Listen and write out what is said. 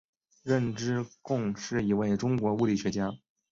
任之恭是一位中国物理学家。